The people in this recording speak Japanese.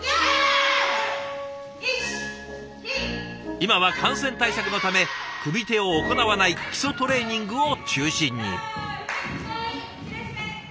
今は感染対策のため組み手を行わない基礎トレーニングを中心に。